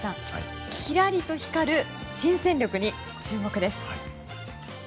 きらりと光る新戦力に注目です。